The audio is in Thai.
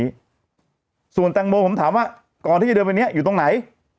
อ่าอ่าอ่าอ่าอ่าอ่าอ่าอ่าอ่าอ่าอ่าอ่าอ่าอ่าอ่าอ่า